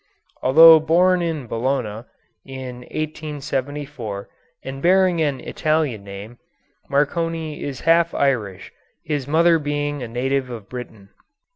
Although born in Bologna (in 1874) and bearing an Italian name, Marconi is half Irish, his mother being a native of Britain.